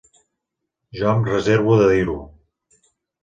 Jo em reservo de dir-ho.